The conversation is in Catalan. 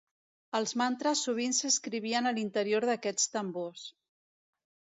Els mantres sovint s'escrivien a l'interior d'aquests tambors.